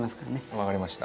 分かりました。